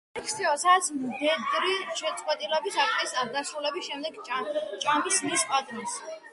ეს არის ქცევა, სადაც მდედრი შეწყვილების აქტის დასრულების შემდეგ ჭამს მის პარტნიორს.